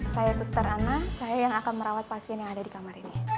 saya suster anak saya yang akan merawat pasien yang ada di kamar ini